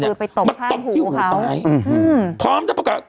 ไปตบท่านหูเขามาตบที่หูซ้ายอืมพร้อมจะประกาศ